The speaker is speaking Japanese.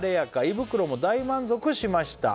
「胃袋も大満足しました」